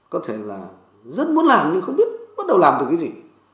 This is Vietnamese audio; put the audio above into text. có thể là rất muốn làm nhưng không biết bắt đầu làm từ cái gì